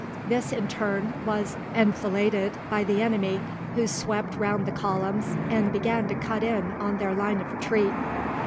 This in turn was enfiladed by the enemy, who swept round the columns and began to cut in on their line of retreat.